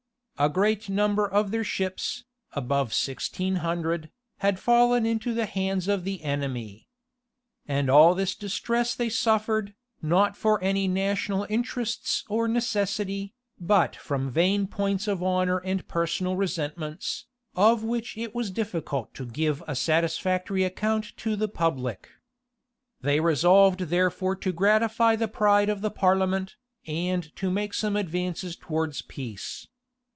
A great number of their ships, above sixteen hundred, had fallen into the hands of the enemy. And all this distress they suffered, not for any national interests or necessity, but from vain points of honor and personal resentments, of which it was difficult to give a satisfactory account to the public. They resolved therefore to gratify the pride of the parliament, and to make some advances towards peace.